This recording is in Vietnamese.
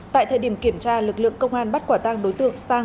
tại thời điểm kiểm tra lực lượng công an bắt quả tăng đối tượng sang